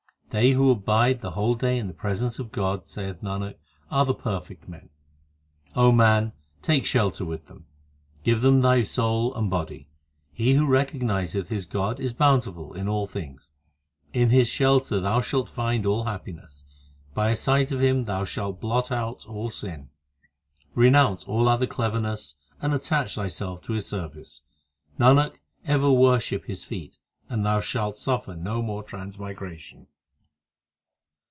They who abide the whole day in the presence of God, Saith Nanak, are the perfect men. 8 O man, take shelter with them ; Give them thy soul and body. He who recognizeth his God Is bountiful in all things ; In His shelter thou shalt find all happiness ; By a sight of Him thou shalt blot out all sin. HYMNS OF GURU ARJAN 251 Renounce all other cleverness, And attach thyself to His service. Nanak, ever worship His feet, And thou shalt suffer no more transmigration.